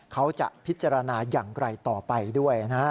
เขาจะพิจารณาอย่างไรต่อไปด้วยนะฮะ